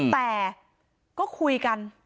แต่ก็คุยกัน